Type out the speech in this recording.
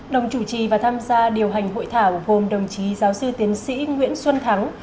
đồng chủ trì và tham gia điều hành hội thảo gồm đồng chí giáo sư tiến sĩ nguyễn xuân thắng